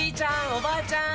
おばあちゃん